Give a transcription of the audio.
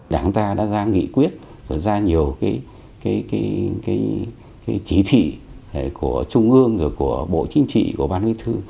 đảng ta đã ra nghị quyết ra nhiều trí thị của trung ương của bộ chính trị của ban huyết thư